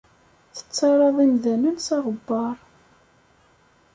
Tettarraḍ imdanen s aɣebbar.